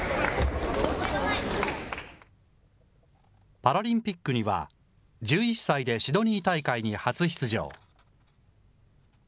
パラリンピックには、１１歳でシドニー大会に初出場。